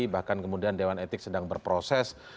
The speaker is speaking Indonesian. bahkan kemudian dewan etik sedang berproses